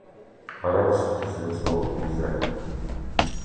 Arab citizens of Israel